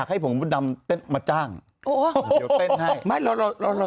เร็วส่งไลน์มาขอเพลงค่ะส่งไลน์มาเลยค่ะ